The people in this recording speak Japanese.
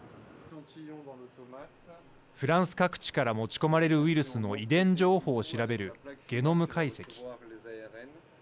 フランス各地から持ち込まれるウイルスの遺伝情報を調べるゲノム解析。